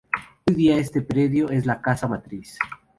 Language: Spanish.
Hoy día este predio es la Casa Matriz.